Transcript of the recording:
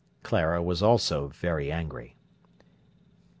Clara was also very angry.